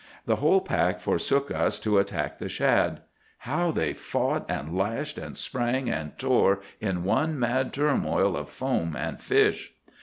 "The whole pack forsook us to attack the shad. How they fought and lashed and sprang and tore in one mad turmoil of foam and fish!